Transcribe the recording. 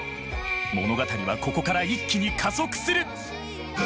物語はここから一気に加速する。